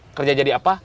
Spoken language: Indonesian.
kerja jadi apa